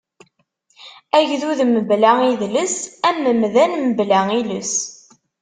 Agdud mebla idles, am umdan mebla iles.